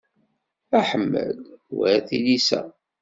Aḥemmel war tilisa.